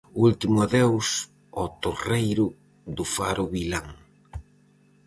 O último adeus ao torreiro do faro Vilán.